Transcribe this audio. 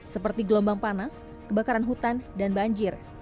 seperti gelombang panas kebakaran hutan dan banjir